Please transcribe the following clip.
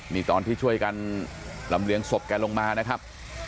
นี่ตอนที่ช่วยกันลำเลียงศพแกลงมานะครับ